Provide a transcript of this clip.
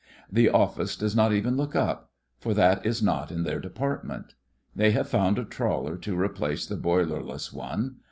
The Office does not even look up; for that is not in their department. They have found a trawler to replace the boil erless one.